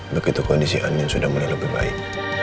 begitu kondisi angin sudah mulai lebih baik